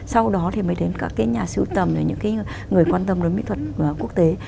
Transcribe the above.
sau đó thì mới đến các cái nhà sưu tầm là những cái người quan tâm đến mỹ thuật quốc tế